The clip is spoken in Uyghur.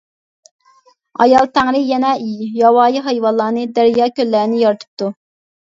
ئايال تەڭرى يەنە ياۋايى ھايۋانلارنى، دەريا-كۆللەرنى يارىتىپتۇ.